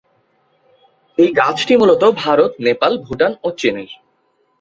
এই গাছটি মূলত ভারত, নেপাল, ভুটান ও চীনের।